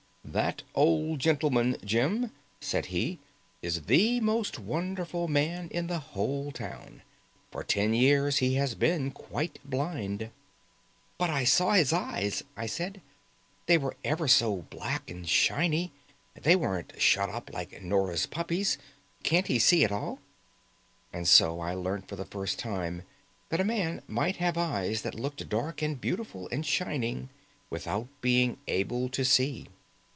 "That old gentleman, Jim," said he, "is the most wonderful man in the whole town. For ten years he has been quite blind." "But I saw his eyes," I said. "They were ever so black and shiny; they weren't shut up like Nora's puppies. Can't he see at all?" And so I learnt for the first time that a man might have eyes that looked dark and beautiful and shining without being able to see.